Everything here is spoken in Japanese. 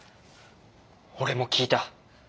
俺も聞いた。